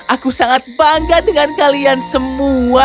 aku sangat bangga dengan kalian semua